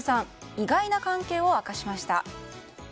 意外な関係を明かしました。